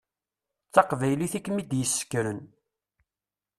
D taqbaylit i kem-id-yessekren.